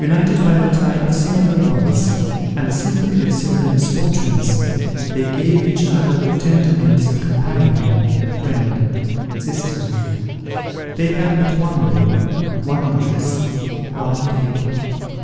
United by the tie of similar wants, and the sympathy of similar misfortunes, they gave each other the tender names of companion, friend, sister. They had but one will, one interest, one table.